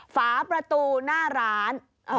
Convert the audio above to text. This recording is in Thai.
ฝาประตูหน้าร้าน